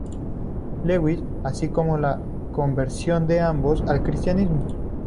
Lewis, así como la conversión de ambos al cristianismo.